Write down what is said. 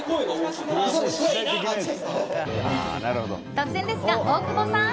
突然ですが、大久保さん。